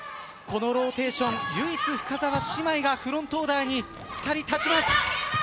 このローテーション唯一、深澤姉妹がフロントオーダーに２人立ちます。